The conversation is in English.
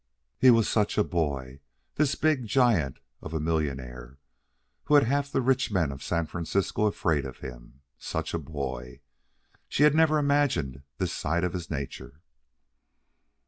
He was such a boy, this big giant of a millionaire who had half the rich men of San Francisco afraid of him. Such a boy! She had never imagined this side of his nature.